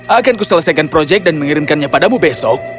agenku selesaikan projek dan mengirimkannya padamu besok